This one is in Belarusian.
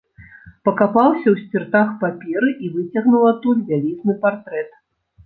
Пакапаўся ў сціртах паперы і выцягнуў адтуль вялізны партрэт.